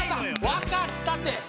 わかったって！